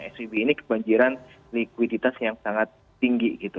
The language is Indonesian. svb ini kebanjiran likuiditas yang sangat tinggi gitu